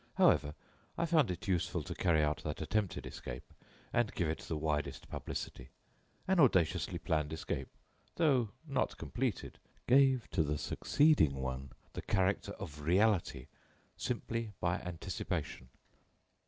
However, I found it useful to carry out that attempted escape and give it the widest publicity. An audaciously planned escape, though not completed, gave to the succeeding one the character of reality simply by anticipation."